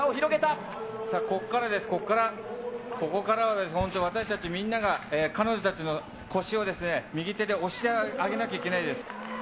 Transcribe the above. さあここからです、ここから、ここからです、本当、私たちがみんなが彼女たちの腰を、右手で押してあげなきゃいけないです。